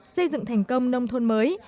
xây dựng thành công nông thôn mới